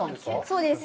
そうです。